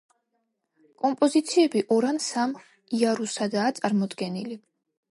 კომპოზიციები ორ ან სამ იარუსადაა წარმოდგენილი.